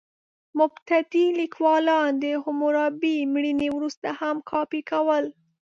مبتدي لیکوالان د حموربي مړینې وروسته هم کاپي کول.